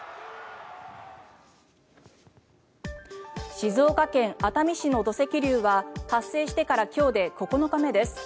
静岡県熱海市の土石流は発生してから今日で９日目です。